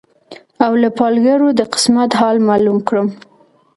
او له پالګرو د قسمت حال معلوم کړم